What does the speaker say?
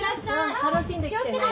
楽しんできてね。